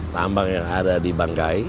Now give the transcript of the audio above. tambang yang ada di bangkai